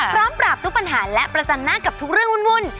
ปราบทุกปัญหาและประจันหน้ากับทุกเรื่องวุ่น